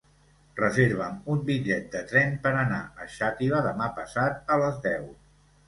Reserva'm un bitllet de tren per anar a Xàtiva demà passat a les deu.